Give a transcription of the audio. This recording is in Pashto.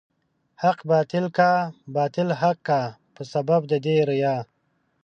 حق باطل کا، باطل حق کا په سبب د دې ريا